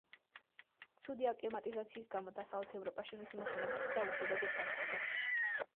ცუდი აკლიმატიზაციის გამო დასავლეთ ევროპაში მისი მოშენების ცდა უშედეგოდ დამთავრდა.